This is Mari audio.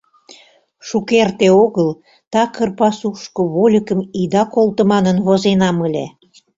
Шукерте огыл такыр пасушко вольыкым ида колто манын возенам ыле.